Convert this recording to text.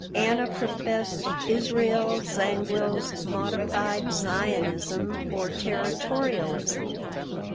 Anna professed Israel Zangwill's modified Zionism or Territorialism.